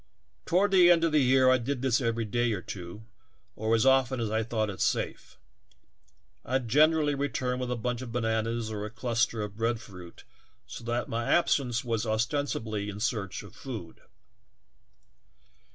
Toward the end of the year I did this every day or two or as often as I thought it safe ; I generally returned with a bunch of bananas or a cluster of bread fruit so that my absence was ostensibly in search of food.